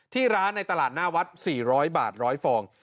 ที่ร้านในตลาดหน้าวัด๔๐๐บาท๑๐๐ฟอง